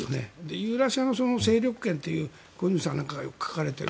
ユーラシアの勢力圏という小泉さんなんかがよく書かれている。